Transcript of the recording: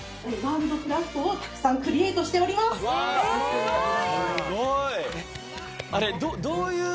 すごい！